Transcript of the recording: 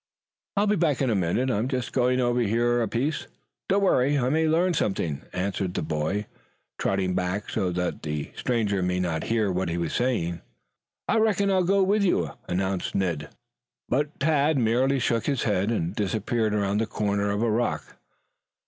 "I'll be back in a minute. I'm just going over here a piece. Don't worry. I may learn something," answered the boy, trotting back so that the stranger might not hear what he was saying. "I reckon I'll go with you," announced Ned. But Tad merely shook his head, and disappeared around the corner of a rock.